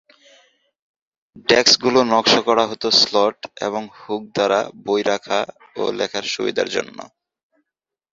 Desk গুলো নকশা করা হত স্লট এবং হুক দ্বারা বই রাখা ও লেখার সুবিধার জন্য।